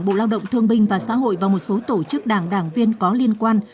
bộ lao động thương binh và xã hội và một số tổ chức đảng đảng viên có liên quan